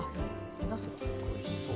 おいしそう。